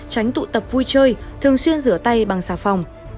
tránh tụ tập vui chơi thường xuyên rửa tay bằng xà phòng